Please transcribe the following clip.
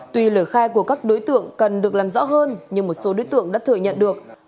tuy lời khai của các đối tượng cần được làm rõ hơn nhưng một số đối tượng đã thừa nhận được